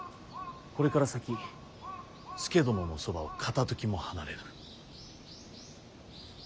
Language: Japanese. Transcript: これから先佐殿のそばを片ときも離れぬ。